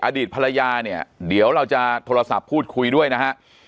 อดีตภรรยาเนี่ยเดี๋ยวเราจะโทรศัพท์พูดคุยด้วยนะฮะ